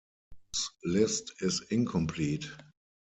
"This list is incomplete"